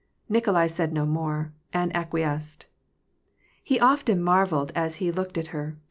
Nikolai said no more, and acqui esced. He often marvelled as he looked at her.